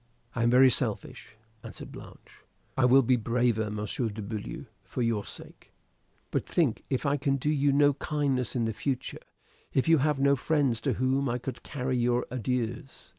"I am very selfish," answered Blanche. "I will be braver, Monsieur de Beaulieu, for your sake. But think if I can do you no kindness in the future if you have no friends to whom I could carry your adieus.